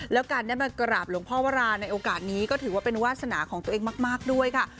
แล้วการได้มากราบหลวงพ่อวราในโอกาสนี้ก็ถือว่าเป็นวาสนาของตัวเองมากด้วยค่ะ